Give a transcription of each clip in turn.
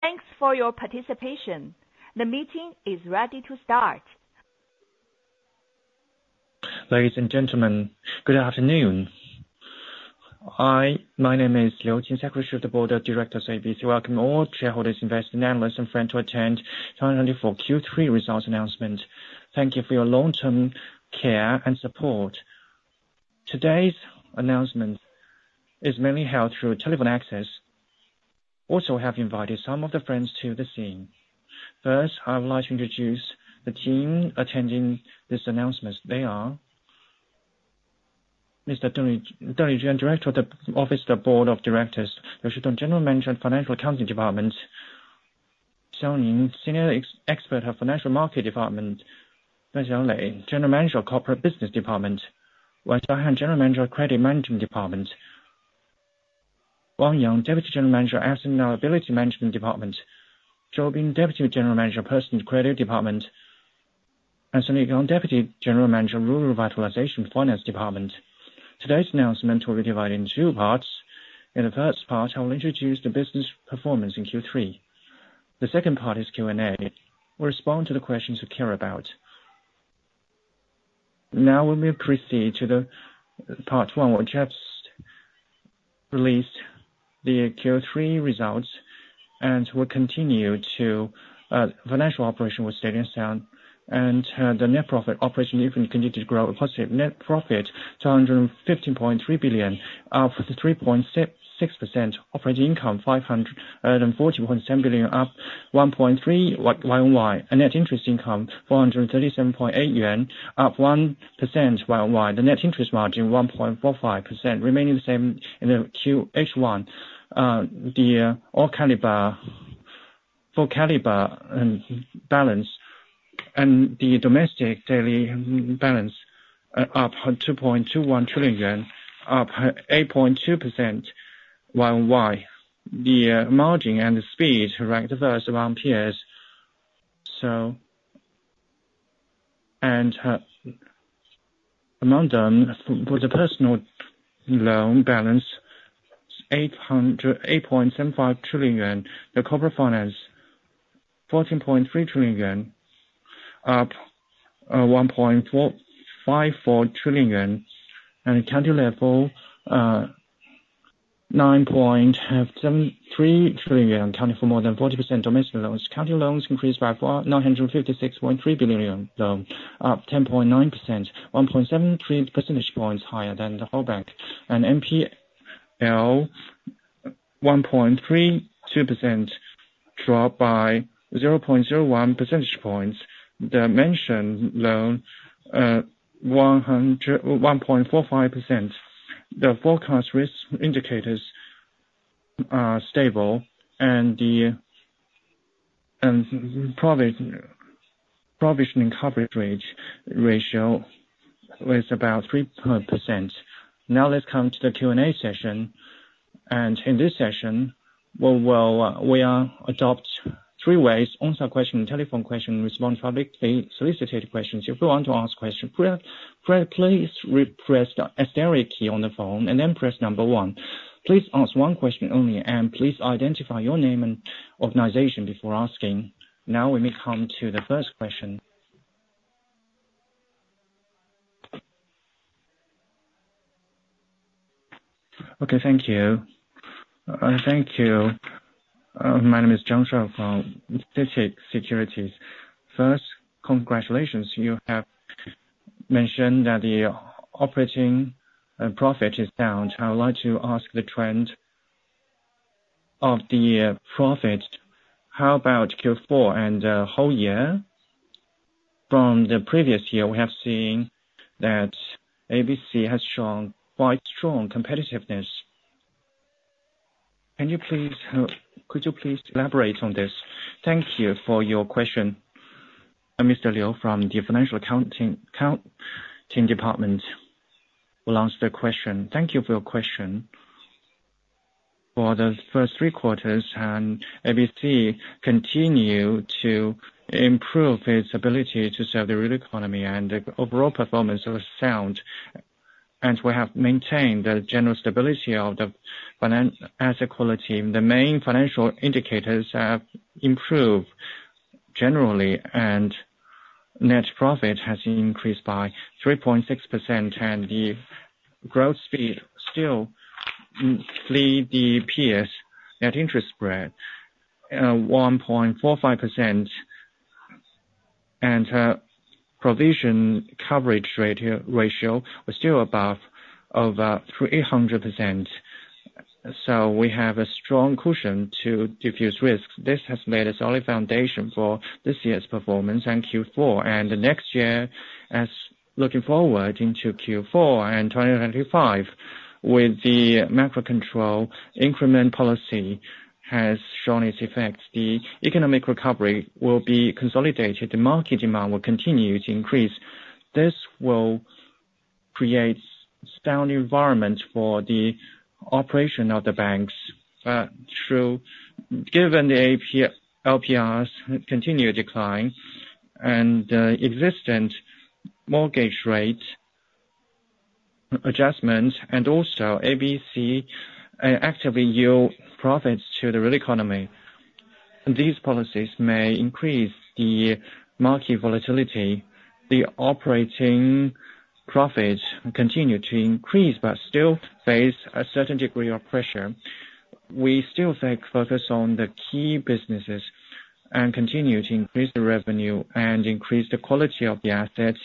Thanks for your participation. The meeting is ready to start. Ladies and gentlemen, good afternoon. My name is Liu Qin, Secretary of the Board of Directors of ABC. Welcome all shareholders, investors, and analysts and friends to attend 2024 Q3 results announcement. Thank you for your long-term care and support. Today's announcement is mainly held through telephone access. Also, I have invited some of the friends to the scene. First, I would like to introduce the team attending this announcement. They are Mr. Deng Zheng, Director of the Office of the Board of Directors, Liu Yongquan, General Manager of Financial Accounting Department, Xiao Xiang, Senior Expert of Financial Markets Department, Wen Xiaolei, General Manager of Corporate Business Department, Wang Xiaohan, General Manager of Credit Management Department, Wang Yang, Deputy General Manager of Asset and Liability Management Department, Zhou Bin, Deputy General Manager of Personal Credit Department, and Sun Yigang, Deputy General Manager of Rural Revitalization Finance Department. Today's announcement will be divided into two parts. In the first part, I will introduce the business performance in Q3. The second part is Q&A. We'll respond to the questions you care about. Now, when we proceed to the part one, we'll just release the Q3 results, and we'll continue to financial operations with steady and sound. The net profit and operating income continued to grow with net profit 215.3 billion, up 3.6%. Operating income 540.7 billion, up 1.3% YoY. Net interest income 437.8 billion yuan, up 1% YoY. The net interest margin 1.45%, remaining the same in the H1. The all-caliber balance and the domestic loan balance up 2.21 trillion yuan, up 8.2% YoY. The margin and the speed ranked the first among peers. Among them, for the personal loan balance, 8.75 trillion yuan. Corporate finance, 14.3 trillion yuan, up 1.54 trillion yuan. County level, 9.73 trillion yuan, accounting for more than 40% domestic loans. Corporate loans increased by 956.3 billion yuan, up 10.9%, 1.73 percentage points higher than the whole bank. And NPL, 1.32%, dropped by 0.01 percentage points. The Special Mention loan, 1.45%. The overall risk indicators are stable, and the provision coverage ratio was about 3%. Now, let's come to the Q&A session. In this session, we will adopt three ways: answer questions, telephone questions, respond to publicly solicited questions. If you want to ask questions, please press the asterisk key on the phone, and then press number one. Please ask one question only, and please identify your name and organization before asking. Now, we may come to the first question. Okay, thank you. Thank you. My name is Zhang Zheng from CITIC Securities. First, congratulations. You have mentioned that the operating profit is down. I would like to ask the trend of the profit. How about Q4 and the whole year? From the previous year, we have seen that ABC has shown quite strong competitiveness. Can you please, could you please elaborate on this? Thank you for your question. Mr. Liu from the Financial Accounting Department will answer the question. Thank you for your question. For the first three quarters, ABC continued to improve its ability to serve the real economy and the overall performance was sound, and we have maintained the general stability of the asset quality. The main financial indicators have improved generally, and net profit has increased by 3.6%, and the growth speed still leads the peers. Net interest spread, 1.45%. Provision coverage ratio was still above 300%. So we have a strong cushion to defuse risk. This has laid a solid foundation for this year's performance and Q4. Next year, as looking forward into Q4 and 2025, with the macro-control increment policy has shown its effects, the economic recovery will be consolidated. The market demand will continue to increase. This will create a sound environment for the operation of the banks through, given the LPR's continued decline and the existent mortgage rate adjustments, and also ABC actively yield profits to the real economy. These policies may increase the market volatility. The operating profits continue to increase, but still face a certain degree of pressure. We still focus on the key businesses and continue to increase the revenue and increase the quality of the assets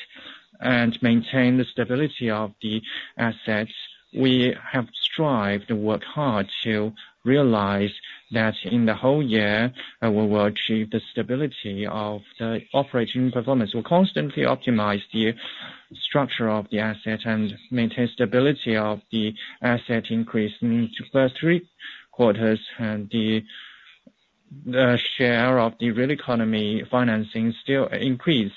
and maintain the stability of the assets. We have strived and worked hard to realize that in the whole year, we will achieve the stability of the operating performance. We'll constantly optimize the structure of the assets and maintain stability of the asset increase in the first three quarters. The share of the real economy financing still increased.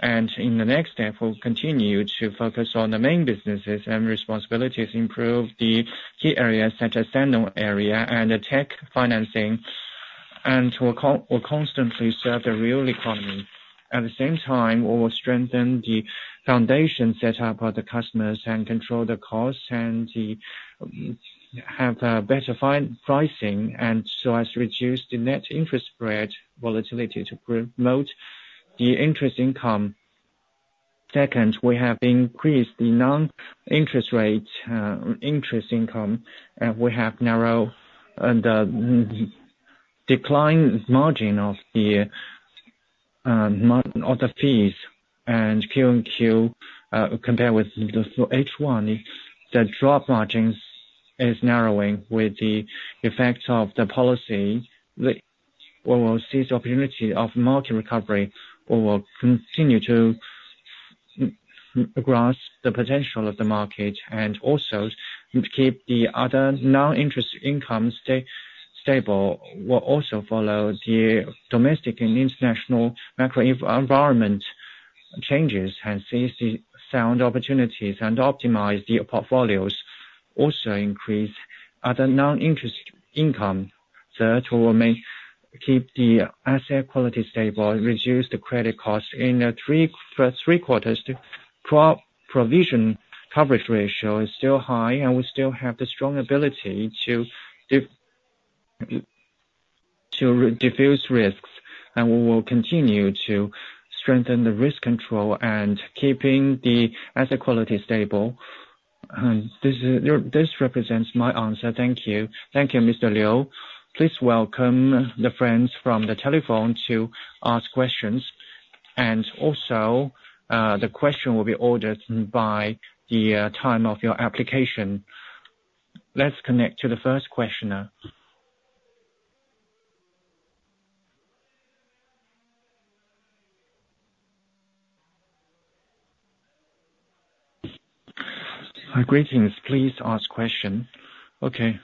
In the next step, we'll continue to focus on the main businesses and responsibilities, improve the key areas such as Sannong area and the tech financing. We'll constantly serve the real economy. At the same time, we will strengthen the foundation set up of the customers and control the costs and have better pricing, so as to reduce the net interest spread volatility to promote the interest income. Second, we have increased the non-interest income. We have narrowed the decline margin of the fees. Q3, compared with H1, the drop margin is narrowing with the effects of the policy. We will seize the opportunity of market recovery. We will continue to grasp the potential of the market and also keep the other non-interest income stable. We'll also follow the domestic and international macro-environment changes and seize the sound opportunities and optimize the portfolios, also increase other non-interest income to keep the asset quality stable and reduce the credit cost. In the three quarters, the provision coverage ratio is still high, and we still have the strong ability to diffuse risks, and we will continue to strengthen the risk control and keep the asset quality stable. This represents my answer. Thank you. Thank you, Mr. Liu. Please welcome the friends from the telephone to ask questions, and also, the question will be ordered by the time of your application. Let's connect to the first questioner. Greetings. Please ask question. Okay.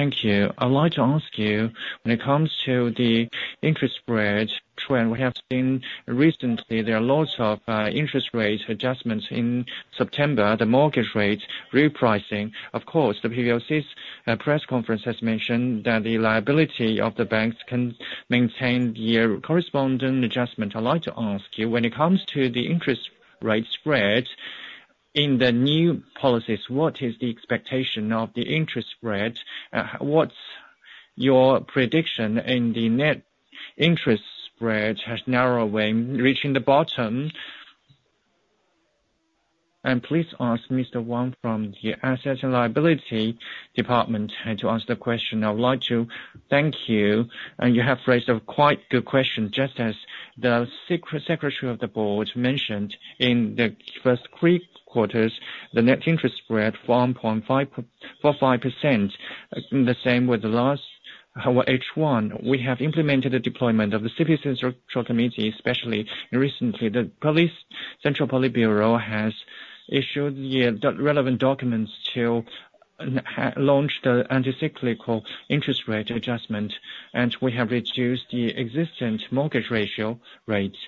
Thank you. I'd like to ask you, when it comes to the interest spread trend we have seen recently, there are lots of interest rate adjustments in September, the mortgage rate repricing. Of course, the PBOC's press conference has mentioned that the liability of the banks can maintain the corresponding adjustment. I'd like to ask you, when it comes to the interest rate spread in the new policies, what is the expectation of the interest spread? What's your prediction in the net interest spread has narrowed when reaching the bottom? And please ask Mr. Wang from the Asset and Liability Department to answer the question. I would like to thank you. And you have raised a quite good question, just as the Secretary of the Board mentioned in the first three quarters, the net interest spread for 1.45%, the same with the last H1. We have implemented the deployment of the CPC Central Committee, especially recently. The Central Political Bureau has issued the relevant documents to launch the counter-cyclical interest rate adjustment. We have reduced the existing mortgage interest rates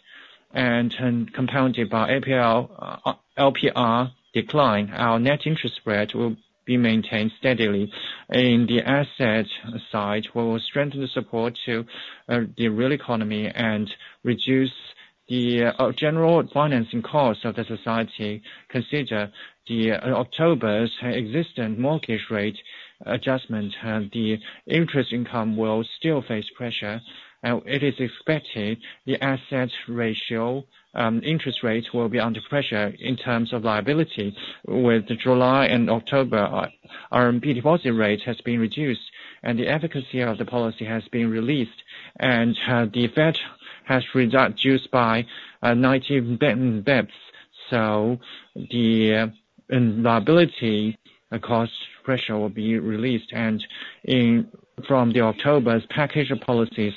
and compounded by LPR decline. Our net interest spread will be maintained steadily. In the asset side, we will strengthen the support to the real economy and reduce the general financing cost of the society. Considering the October existing mortgage rate adjustment, the interest income will still face pressure. It is expected the asset ratio interest rate will be under pressure in terms of liability with July and October. RMB deposit rate has been reduced, and the efficacy of the policy has been released. The Fed has reduced by 90 basis points. The liability cost pressure will be released. And from the October's package of policies,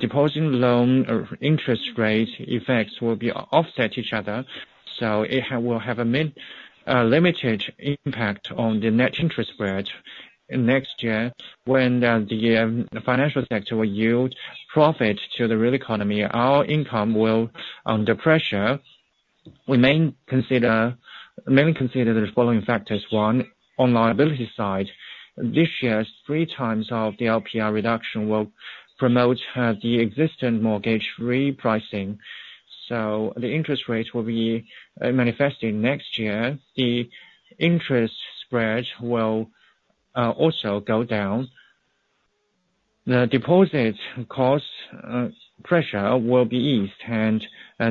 deposit loan interest rate effects will be offset each other. So it will have a limited impact on the net interest spread next year when the financial sector will yield profit to the real economy. Our income will, under pressure, mainly consider the following factors. One, on liability side, this year's three times of the LPR reduction will promote the existent mortgage repricing. So the interest rate will be manifested next year. The interest spread will also go down. The deposit cost pressure will be eased, and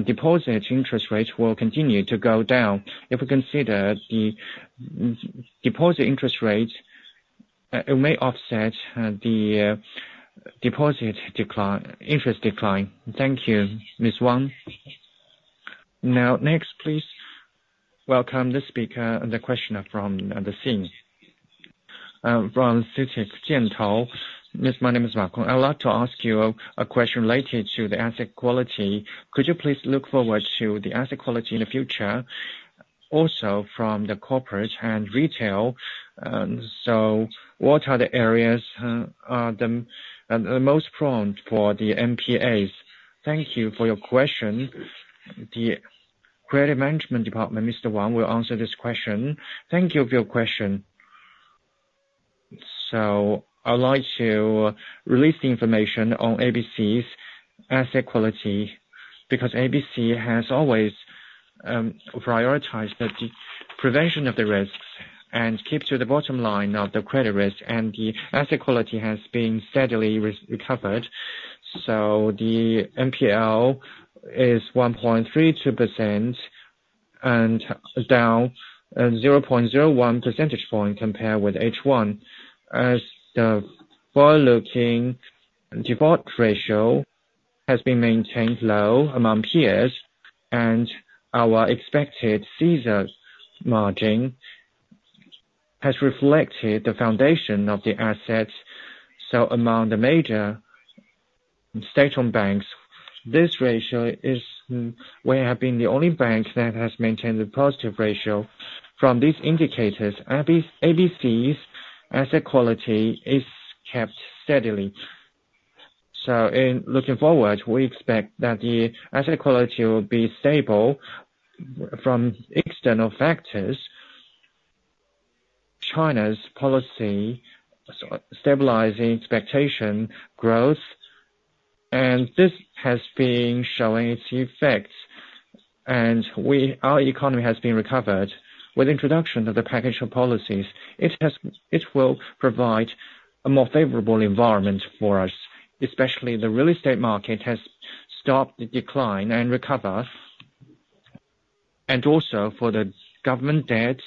deposit interest rates will continue to go down. If we consider the deposit interest rate, it may offset the deposit interest decline. Thank you, Ms. Wang. Now, next, please welcome the speaker and the questioner from the scene. From CITIC, Zhang Zheng. My name is Wang. I'd like to ask you a question related to the asset quality. Could you please look forward to the asset quality in the future? Also, from the corporate and retail, so what are the areas the most prone for the NPLs? Thank you for your question. The Credit Management Department, Mr. Wang, will answer this question. Thank you for your question. I'd like to release the information on ABC's asset quality because ABC has always prioritized the prevention of the risks and keeps to the bottom line of the credit risk. The asset quality has been steadily recovered. The NPL is 1.32% and down 0.01 percentage point compared with H1. The forward-looking default ratio has been maintained low among peers. Our expected scissors margin has reflected the foundation of the assets. So among the major state-owned banks, this ratio, we have been the only bank that has maintained the positive ratio. From these indicators, ABC's asset quality is kept steadily. So in looking forward, we expect that the asset quality will be stable from external factors. China's policy stabilizing expectation growth. And this has been showing its effects. And our economy has been recovered with the introduction of the package of policies. It will provide a more favorable environment for us, especially the real estate market has stopped the decline and recovered. And also, for the government debt,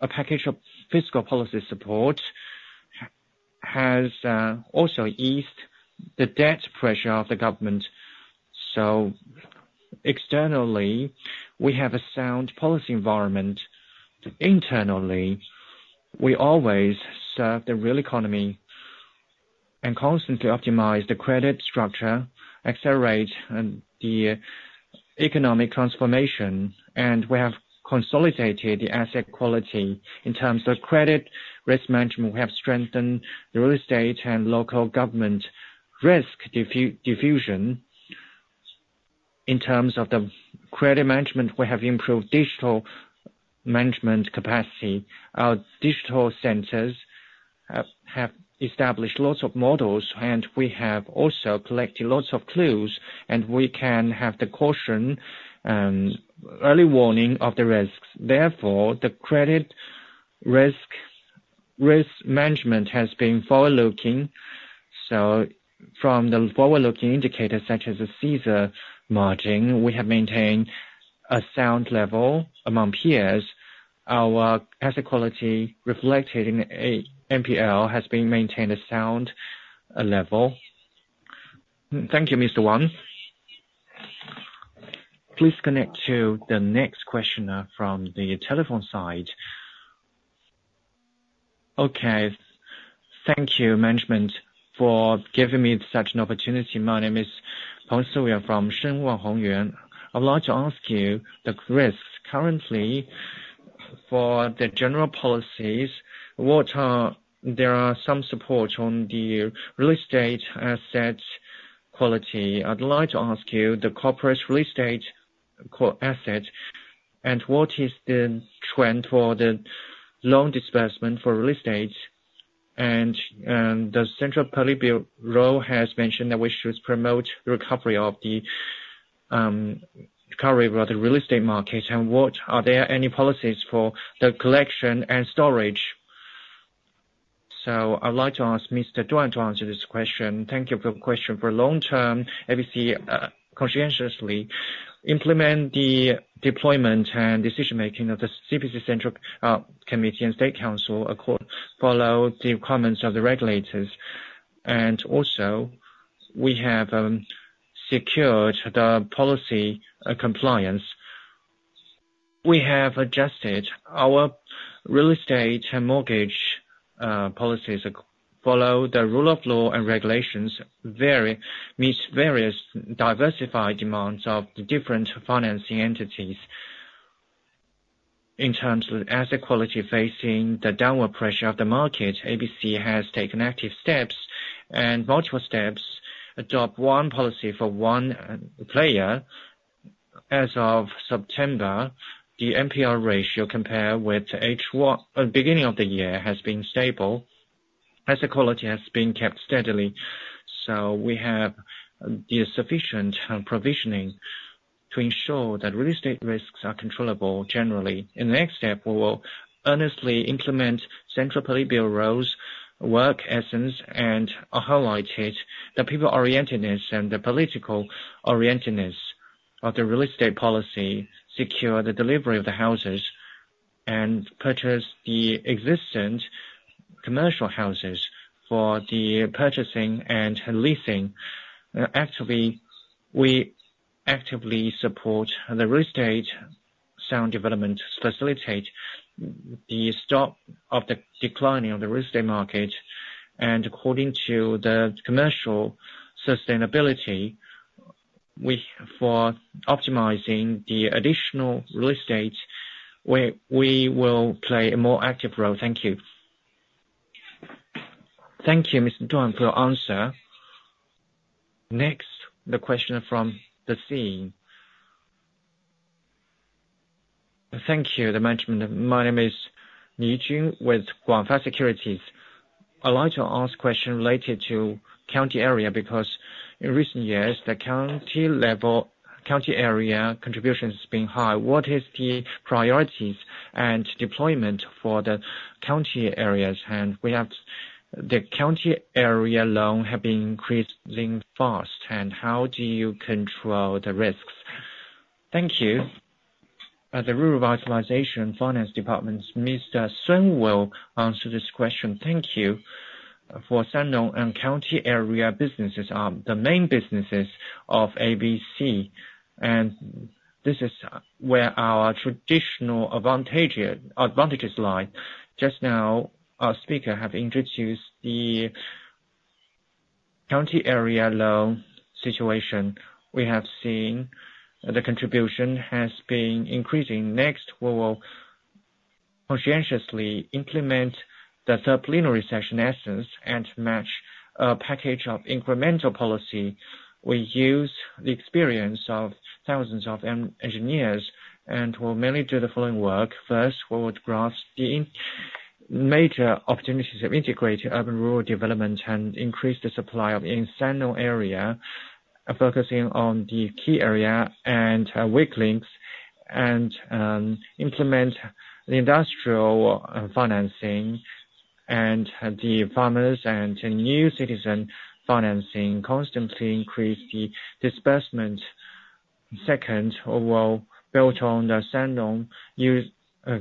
a package of fiscal policy support has also eased the debt pressure of the government. So externally, we have a sound policy environment. Internally, we always serve the real economy and constantly optimize the credit structure, accelerate the economic transformation. We have consolidated the asset quality in terms of credit risk management. We have strengthened the real estate and local government risk diffusion. In terms of the credit management, we have improved digital management capacity. Our digital centers have established lots of models. We have also collected lots of clues. We can have the caution and early warning of the risks. Therefore, the credit risk management has been forward-looking. From the forward-looking indicators such as the scissors margin, we have maintained a sound level among peers. Our asset quality reflected in the NPL has been maintained a sound level. Thank you, Mr. Wang. Please connect to the next questioner from the telephone side. Okay. Thank you, management, for giving me such an opportunity. My name is Peng Suyang from Shenwan Hongyuan. I'd like to ask you the risks currently for the general policies. There are some supports on the real estate asset quality. I'd like to ask you the corporate real estate asset. What is the trend for the loan disbursement for real estate? The Central Political Bureau has mentioned that we should promote the recovery of the real estate market. Are there any policies for the collection and storage? So I'd like to ask Mr. Duan to answer this question. Thank you for the question. For long-term, ABC conscientiously implement the deployment and decision-making of the CPC Central Committee and State Council according to the requirements of the regulators. Also, we have secured the policy compliance. We have adjusted our real estate and mortgage policies to follow the rule of law and regulations meet various diversified demands of the different financing entities. In terms of asset quality facing the downward pressure of the market, ABC has taken active steps and multiple steps to adopt one policy for one player. As of September, the NPL ratio compared with H1 at the beginning of the year has been stable. Asset quality has been kept steadily, so we have the sufficient provisioning to ensure that real estate risks are controllable generally. In the next step, we will earnestly implement Central Policy Bureau's work ethics and highlight the people-orientedness and the political-orientedness of the real estate policy, secure the delivery of the houses, and purchase the existent commercial houses for the purchasing and leasing. Actually, we actively support the real estate sound development to facilitate the stop of the declining of the real estate market, and according to the commercial sustainability, for optimizing the additional real estate, we will play a more active role. Thank you. Thank you, Mr. Duan, for your answer. Next, the question from the line. Thank you, the management. My name is Ni Jun with Guangfa Securities. I'd like to ask a question related to county area because in recent years, the county area contribution has been high. What is the priorities and deployment for the county areas? And the county area loan has been increasing fast. And how do you control the risks? Thank you. The Rural Revitalization Finance Department's Mr. Sun will answer this question. Thank you. For Sannong and county area businesses, the main businesses of ABC, and this is where our traditional advantages lie. Just now, our speaker has introduced the county area loan situation. We have seen the contribution has been increasing. Next, we will conscientiously implement the Third Plenary Session essence and match a package of incremental policy. We use the experience of thousands of engineers and will mainly do the following work. First, we will grasp the major opportunities of integrated urban-rural development and increase the supply of incentive area, focusing on the key area and weak links, and implement the industrial financing and the farmers and new citizen financing, constantly increase the disbursement. Second, we will build on the Sannong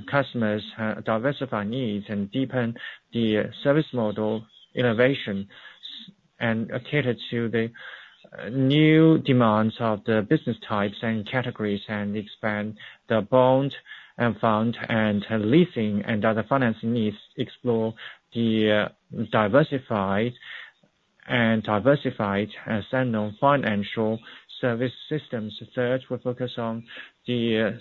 customers' diversified needs and deepen the service model innovation and cater to the new demands of the business types and categories and expand the bond and fund and leasing and other financing needs, explore the diversified and diversified Sannong financial service systems. Third, we focus on the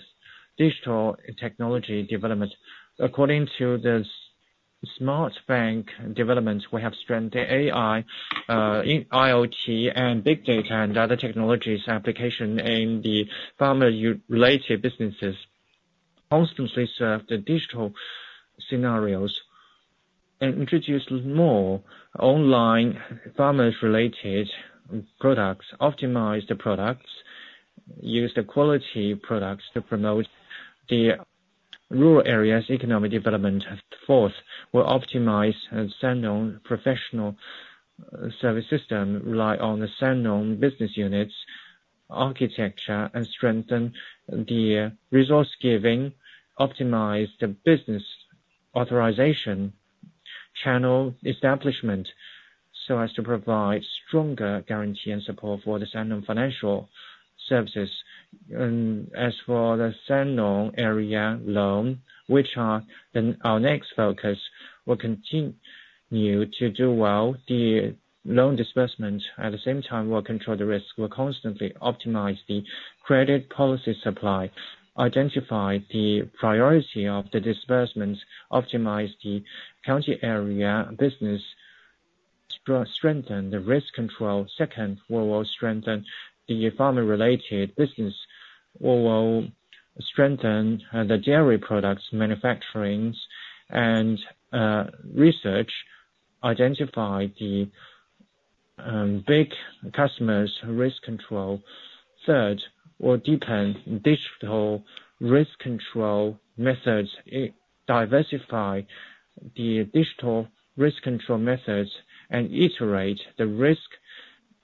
digital technology development. According to the smart bank development, we have strengthened AI, IoT, and big data and other technologies application in the farmer-related businesses, constantly serve the digital scenarios, and introduce more online farmer-related products, optimize the products, use the quality products to promote the rural area's economic development. Fourth, we optimize Sannong professional service system relying on the Sannong business units architecture and strengthen the resource giving, optimize the business authorization channel establishment so as to provide stronger guarantee and support for the Sannong financial services. As for the Sannong area loan, which are our next focus, we'll continue to do well the loan disbursement. At the same time, we'll control the risk. We'll constantly optimize the credit policy supply, identify the priority of the disbursements, optimize the county area business, strengthen the risk control. Second, we will strengthen the farmer-related business. We will strengthen the dairy products manufacturing and research, identify the big customers' risk control. Third, we'll deepen digital risk control methods, diversify the digital risk control methods, and iterate the risk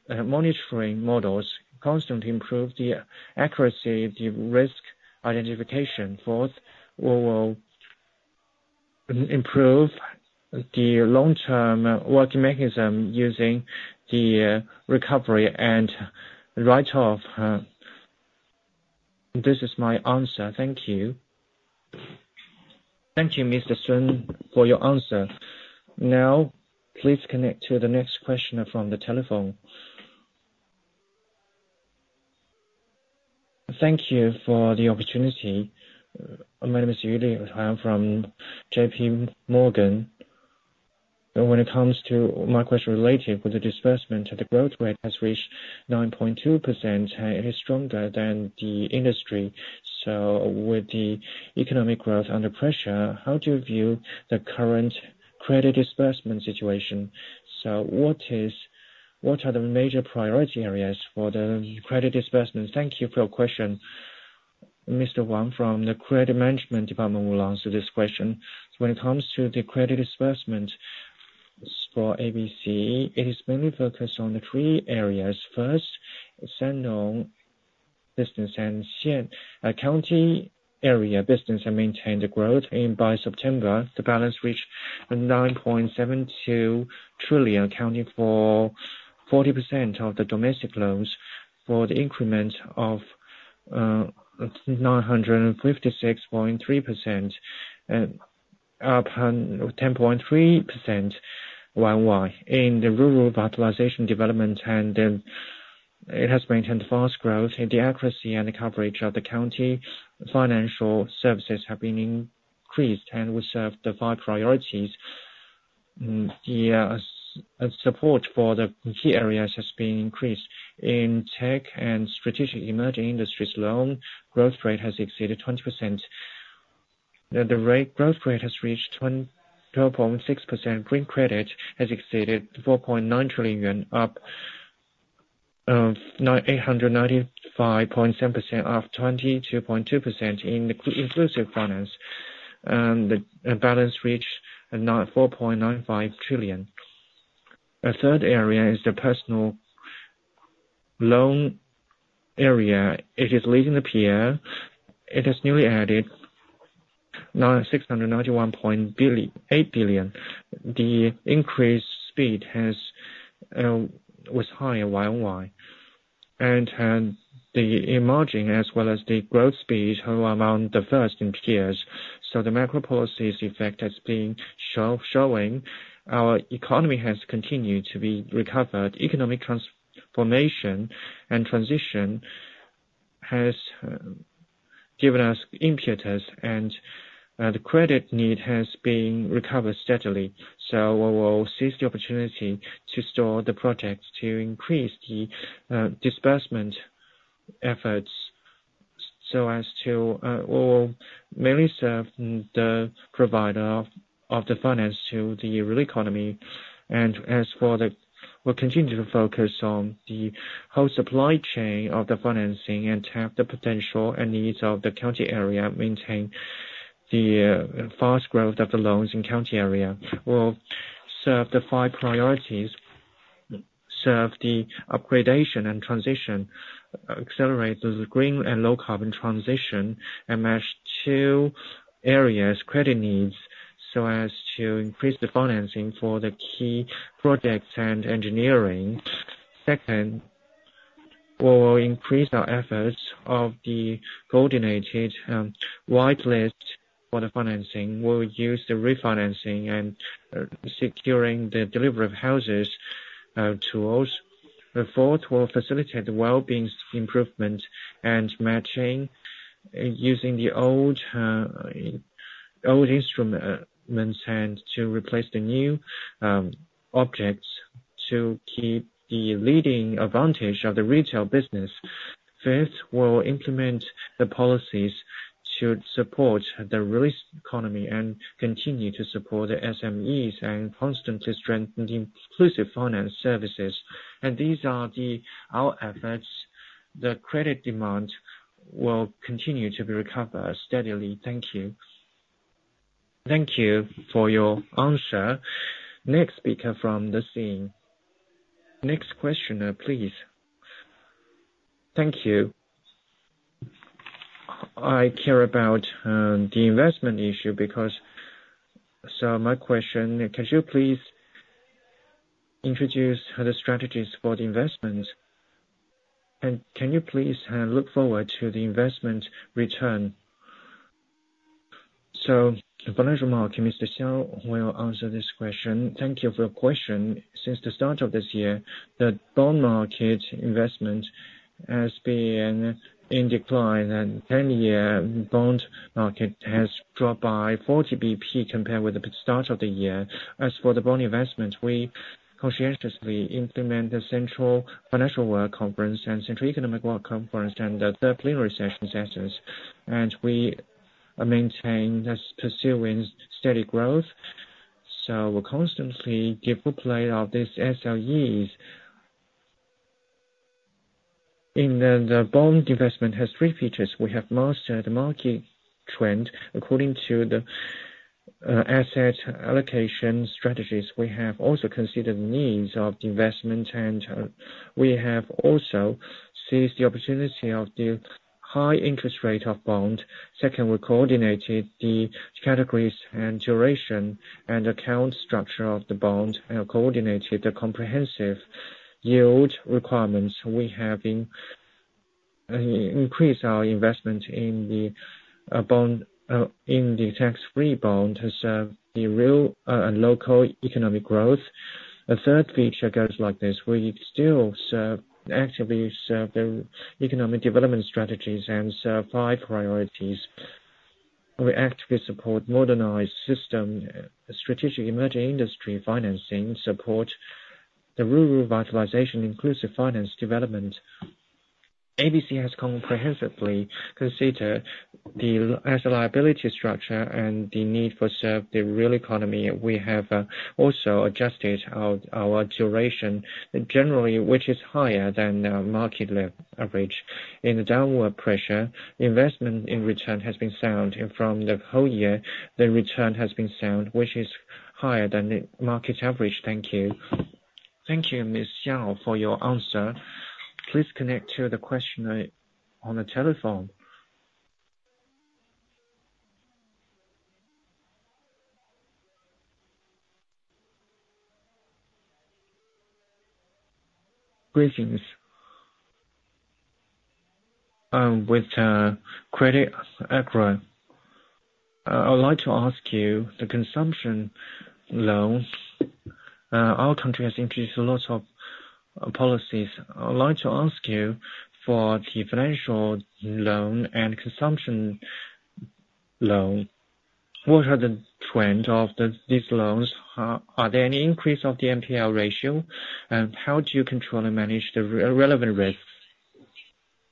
monitoring models, constantly improve the accuracy of the risk identification. Fourth, we will improve the long-term working mechanism using the recovery and write-off. This is my answer. Thank you. Thank you, Mr. Sun, for your answer. Now, please connect to the next questioner from the telephone. Thank you for the opportunity. My name is Yu Lin. I'm from J.P. Morgan. When it comes to my question related with the disbursement, the growth rate has reached 9.2%, and it is stronger than the industry. So with the economic growth under pressure, how do you view the current credit disbursement situation? So what are the major priority areas for the credit disbursement? Thank you for your question. Mr. Wang from the Credit Management Department will answer this question. When it comes to the credit disbursement for ABC, it is mainly focused on three areas. First, Sannong business and county area business have maintained growth. By September, the balance reached 9.72 trillion, accounting for 40% of the domestic loans, for the increment of 956.3 billion up 10.3%. In the rural revitalization development, it has maintained fast growth. The accuracy and coverage of the county financial services have been increased and will serve the five priorities. Support for the key areas has been increased. In tech and strategic emerging industries, loan growth rate has exceeded 20%. The growth rate has reached 12.6%. Green credit has exceeded 4.9 trillion yuan, up 895.7 billion or 22.2%. In inclusive finance, the balance reached 4.95 trillion. The third area is the personal loan area. It is leading the peer. It has newly added 691.8 billion. The increase speed was higher YoY, and the emerging as well as the growth speed are among the first in peers, so the macro policy's effect has been showing. Our economy has continued to be recovered. Economic transformation and transition has given us impetus, and the credit need has been recovered steadily, so we will seize the opportunity to store the projects to increase the disbursement efforts so as to mainly serve the provider of the finance to the real economy, and as for the, we'll continue to focus on the whole supply chain of the financing and tap the potential and needs of the county area, maintain the fast growth of the loans in county area. We'll serve the Five Priorities, serve the upgrading and transition, accelerate the green and low carbon transition, and match two areas' credit needs so as to increase the financing for the key projects and engineering. Second, we will increase our efforts of the coordinated whitelist for the financing. We'll use the refinancing and securing the delivery of houses tools. Fourth, we'll facilitate the well-being improvement and matching using the old to replace the new objects to keep the leading advantage of the retail business. Fifth, we'll implement the policies to support the real economy and continue to support the SMEs and constantly strengthen the inclusive finance services. These are our efforts. The credit demand will continue to be recovered steadily. Thank you. Thank you for your answer. Next speaker from the scene. Next questioner, please. Thank you. I care about the investment issue because so my question, could you please introduce the strategies for the investment? And can you please look forward to the investment return? So financial market, Mr. Xiao will answer this question. Thank you for your question. Since the start of this year, the bond market investment has been in decline, and 10-year bond market has dropped by 40 basis points compared with the start of the year. As for the bond investment, we conscientiously implement the central financial work conference and central economic work conference and the Third Plenary Session essence. And we maintain pursuing steady growth. So we'll constantly give a play of these SOEs. In the bond investment, it has three features. We have mastered the market trend according to the asset allocation strategies. We have also considered the needs of the investment, and we have also seized the opportunity of the high interest rate of bond. Second, we coordinated the categories and duration and account structure of the bond and coordinated the comprehensive yield requirements. We have increased our investment in the tax-free bond to serve the real and local economic growth. The third feature goes like this. We still actively serve the economic development strategies and serve Five Priorities. We actively support modernized system, strategic emerging industry financing, support the rural revitalization, inclusive finance development. ABC has comprehensively considered the asset liability structure and the need to serve the real economy. We have also adjusted our duration generally, which is higher than market average. In the downward pressure, investment return has been sound. From the whole year, the return has been sound, which is higher than market average. Thank you. Thank you, Mr. Xiao, for your answer. Please connect to the questioner on the telephone. Greetings. Regarding consumer credit, I'd like to ask you the consumption loans. Our country has introduced lots of policies. I'd like to ask you for the personal loan and consumption loan. What are the trends of these loans? Are there any increase of the NPL ratio? And how do you control and manage the relevant risks?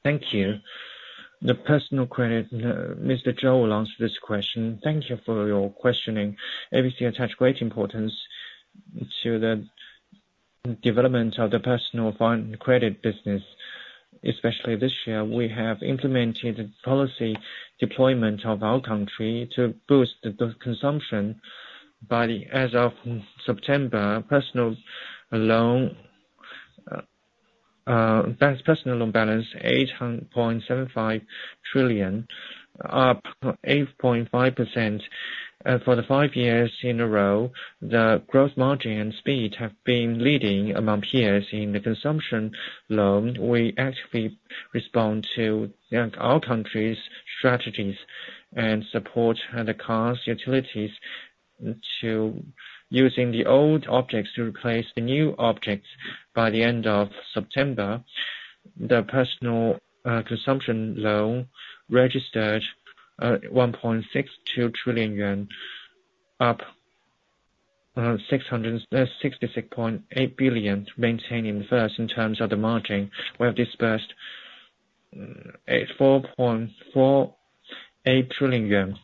Thank you. The personal credit, Mr. Zhou will answer this question. Thank you for your questioning. ABC attached great importance to the development of the personal credit business. Especially this year, we have implemented policy deployment of our country to boost the consumption. By the end of September, personal loan balance 8.75 trillion up 8.5% for the five years in a row. The growth margin and speed have been leading among peers in the consumption loan. We actively respond to our country's strategies and support the cars, utilities to using the old objects to replace the new objects by the end of September. The personal consumption loan registered 1.62 trillion yuan up 666.8 billion, maintaining the first in terms of the margin. We have disbursed 4.48 trillion yuan.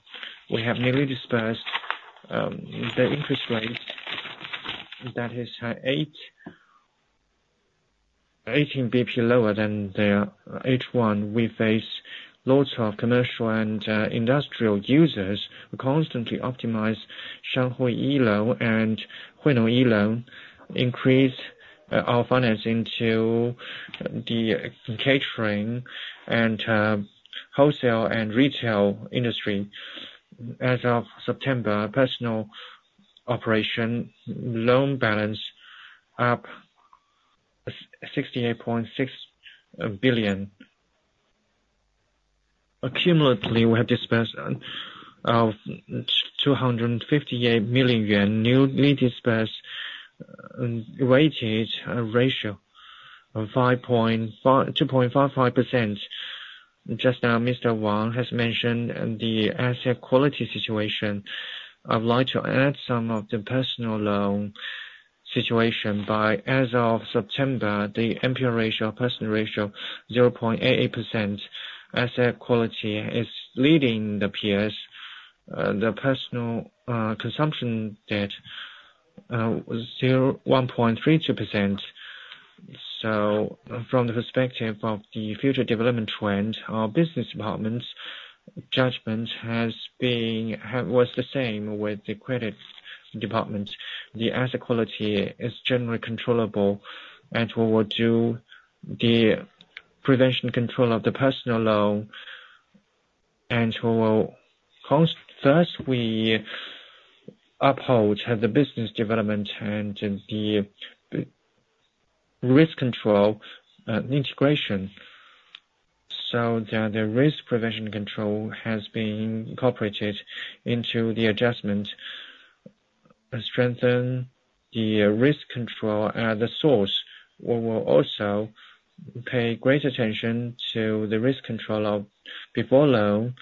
We have nearly disbursed the interest rate that is 18 basis points lower than the H1. We face lots of commercial and industrial users. We constantly optimize Shanghu e-Loan and Huinong e-Loan, increase our financing to the catering and wholesale and retail industry. As of September, personal operation loan balance up 68.6 billion. Accumulatively, we have disbursed 258 million yuan. Newly disbursed weighted ratio of 2.55%. Just now, Mr. Wang has mentioned the asset quality situation. I'd like to add some of the personal loan situation. As of September, the NPL ratio, personal ratio, 0.88%. Asset quality is leading the peers. The personal consumption debt was 1.32%. From the perspective of the future development trend, our business department's judgment was the same with the credit department. The asset quality is generally controllable, and we will do the prevention control of the personal loan. First, we uphold the business development and the risk control integration, so the risk prevention control has been incorporated into the adjustment. Strengthen the risk control at the source. We will also pay great attention to the risk control of before loan,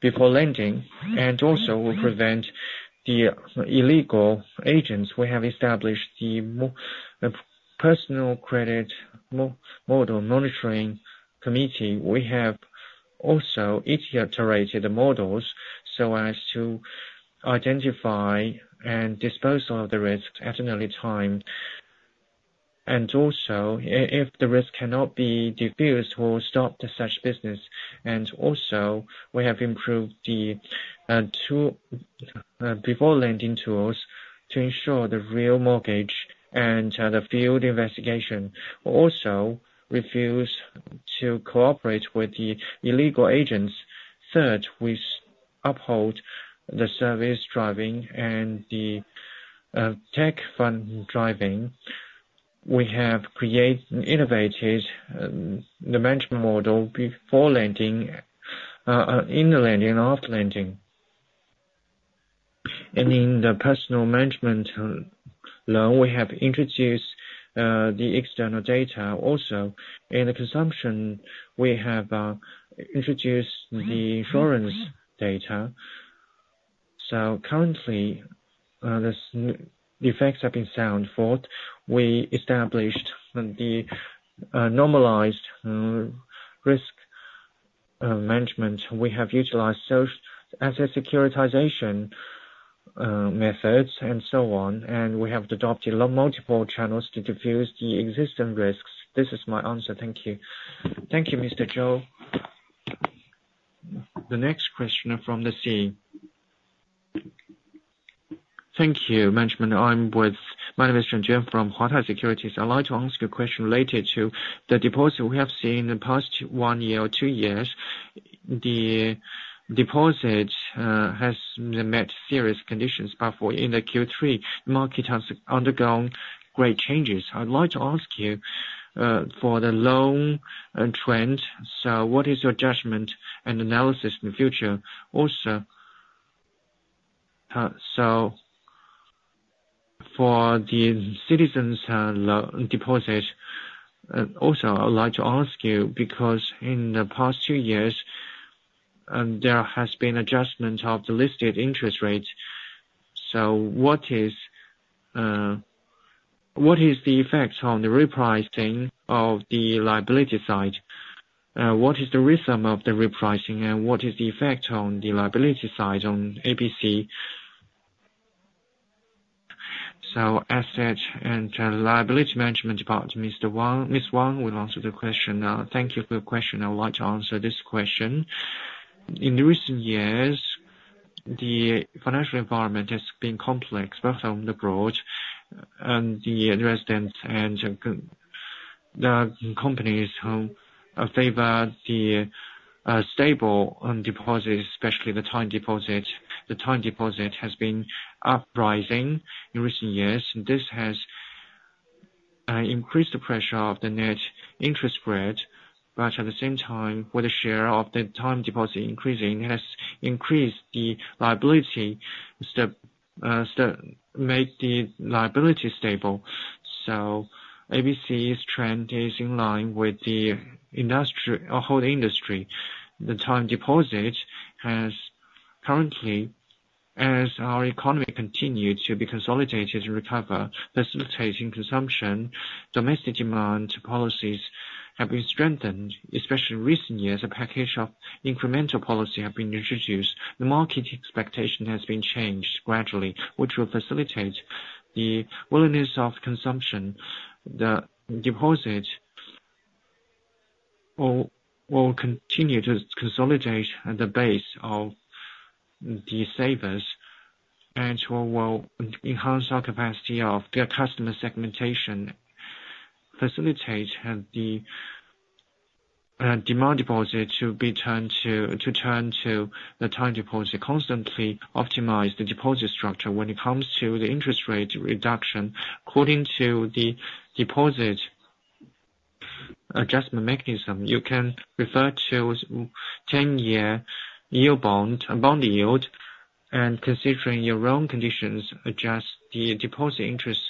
before lending, and also will prevent the illegal agents. We have established the personal credit model monitoring committee. We have also iterated the models so as to identify and dispose of the risks at an early time, and also, if the risk cannot be diffused, we'll stop the such business. And also, we have improved the before lending tools to ensure the real mortgage and the field investigation. We also refuse to cooperate with the illegal agents. Third, we uphold the service driving and the tech fund driving. We have created and innovated the management model before lending, in the lending, and after lending. And in the personal mortgage loan, we have introduced the external data. Also, in the consumption, we have introduced the insurance data. So currently, the effects have been sound. Fourth, we established the normalized risk management. We have utilized asset securitization methods and so on. And we have adopted multiple channels to diffuse the existing risks. This is my answer. Thank you. Thank you, Mr. Zhou. The next question from the scene. Thank you, Management. My name is Shen Juan from Huatai Securities. I'd like to ask you a question related to the deposit we have seen in the past one year or two years. The deposit has met serious conditions, but in the Q3, market has undergone great changes. I'd like to ask you for the loan trend, so what is your judgment and analysis in the future? Also, so for the citizens' deposit, also, I'd like to ask you because in the past two years, there has been adjustment of the listed interest rates, so what is the effect on the repricing of the liability side? What is the rhythm of the repricing, and what is the effect on the liability side on ABC? So, Asset and Liability Management Department, Mr. Wang. Ms. Wang, we'll answer the question. Thank you for your question. I'd like to answer this question. In recent years, the financial environment has been complex, both from the broad and the residents and the companies who favor the stable deposit, especially the time deposit. The time deposit has been rising in recent years. This has increased the pressure of the net interest rate, but at the same time, with the share of the time deposit increasing, it has increased the liability, made the liability stable. So ABC's trend is in line with the whole industry. The time deposit has currently, as our economy continues to be consolidated and recover, facilitating consumption. Domestic demand policies have been strengthened, especially in recent years. A package of incremental policy has been introduced. The market expectation has been changed gradually, which will facilitate the willingness of consumption. The deposit will continue to consolidate the base of the savers and will enhance our capacity of the customer segmentation, facilitate the demand deposit to turn to the time deposit, constantly optimize the deposit structure when it comes to the interest rate reduction. According to the deposit adjustment mechanism, you can refer to 10-year yield bond, bond yield, and considering your own conditions, adjust the deposit interest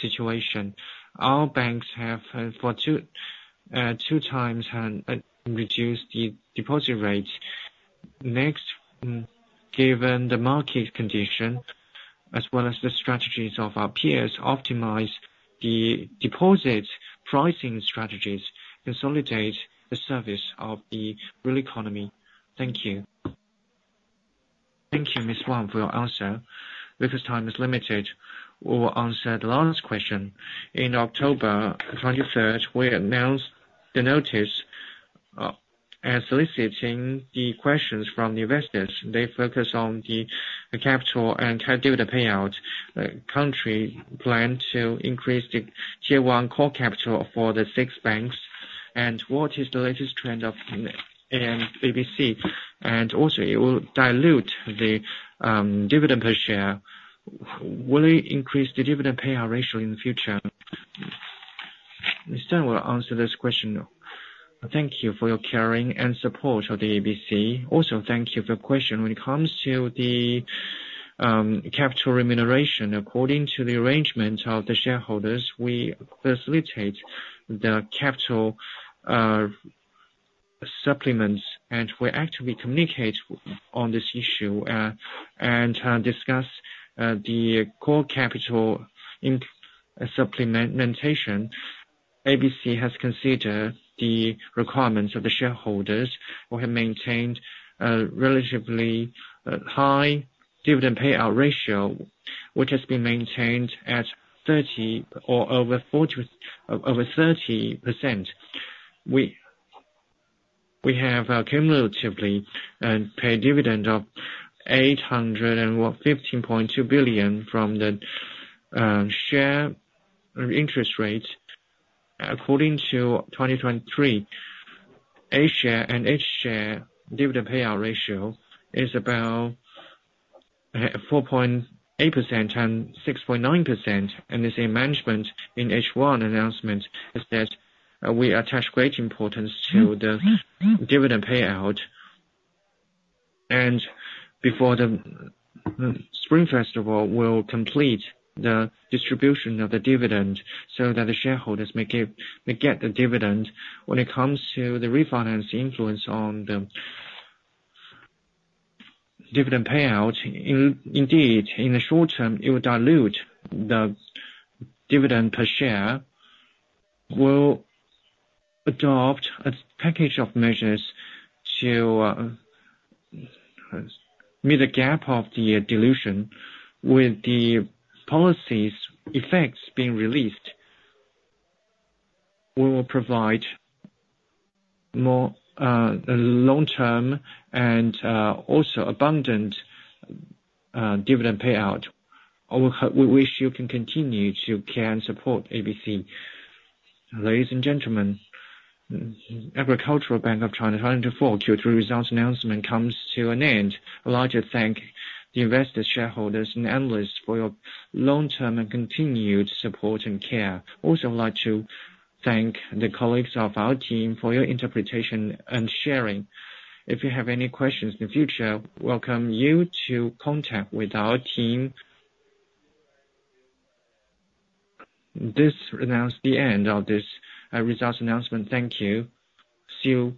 situation. Our banks have for two times reduced the deposit rate. Next, given the market condition, as well as the strategies of our peers, optimize the deposit pricing strategies, consolidate the service of the real economy. Thank you. Thank you, Ms. Wang, for your answer. Because time is limited, we will answer the last question. In October 23rd, we announced the notice soliciting the questions from the investors. They focus on the capital and credit dividend payout. The country planned to increase the Tier 1 core capital for the six banks. What is the latest trend of ABC? Also, it will dilute the dividend per share. Will it increase the dividend payout ratio in the future? Mr. Zhou, I'll answer this question. Thank you for your caring and support of the ABC. Also, thank you for your question. When it comes to the capital remuneration, according to the arrangement of the shareholders, we facilitate the capital supplements, and we actively communicate on this issue and discuss the core capital supplementation. ABC has considered the requirements of the shareholders. We have maintained a relatively high dividend payout ratio, which has been maintained at 30% or over 30%. We have cumulatively paid dividend of 815.2 billion from the share interest rate. According to 2023, A share and H share dividend payout ratio is about 4.8% and 6.9%. In management, in H1 announcement, it said we attach great importance to the dividend payout. Before the Spring Festival, we'll complete the distribution of the dividend so that the shareholders may get the dividend. When it comes to the refinance influence on the dividend payout, indeed, in the short term, it will dilute the dividend per share. We'll adopt a package of measures to meet the gap of the dilution. With the policy's effects being released, we will provide more long-term and also abundant dividend payout. We wish you can continue to care and support ABC. Ladies and gentlemen, Agricultural Bank of China 2024 Q3 results announcement comes to an end. I'd like to thank the investors, shareholders, and analysts for your long-term and continued support and care. Also, I'd like to thank the colleagues of our team for your interpretation and sharing. If you have any questions in the future, welcome you to contact with our team. This announced the end of this results announcement. Thank you. See you.